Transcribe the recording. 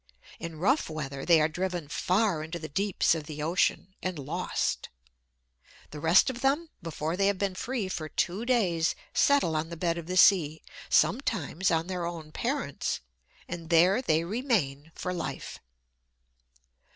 In rough weather they are driven far into the deeps of the ocean, and lost. The rest of them, before they have been free for two days, settle on the bed of the sea sometimes on their own parents; and there they remain for life.